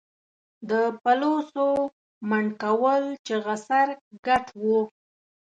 د پلوڅو، منډکول چغه سر، ګټ و